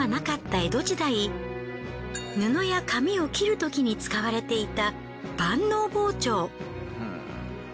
江戸時代布や紙を切るときに使われていた万能包丁。